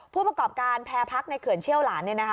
ผู้ประกอบการแพร่พักในเขื่อนเชี่ยวหลานเนี่ยนะฮะ